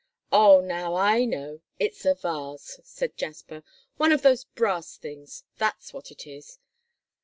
"Oh, now I know; it's a vase," said Jasper, "one of those brass things that's what it is."